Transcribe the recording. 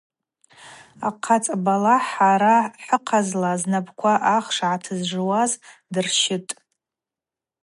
Ахъацӏа балахӏ, хӏара хӏыхъазла знапӏква ахш гӏатыжжуаз дырщытӏ.